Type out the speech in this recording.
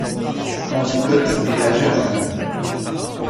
Endicott et Hagerman.